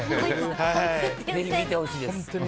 ぜひ見てほしいです。